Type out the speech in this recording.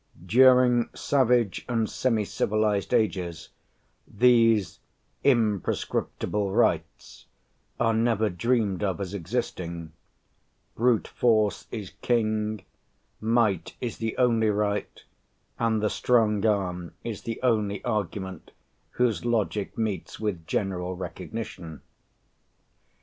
During savage and semi civilised ages these "imprescriptible rights" are never dreamed of as existing; brute force is king; might is the only right, and the strong arm is the only argument whose logic meets with general recognition.